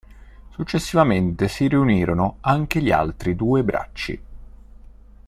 Successivamente si riunirono anche gli altri due bracci.